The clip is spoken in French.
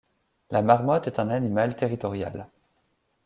La marmotte est un animal territorial.